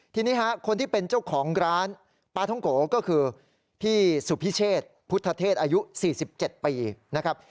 ทีนี้ฮะคนที่เป็นเจ้าของร้านปลาท้องโกก็คือพี่สุพิเชษพุทธเทศอายุ๔๗ปีนะครับ